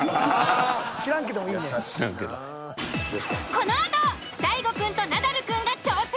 このあと大悟くんとナダルくんが挑戦。